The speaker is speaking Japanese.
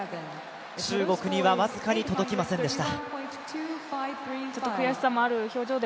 中国にはわずかに届きませんでした。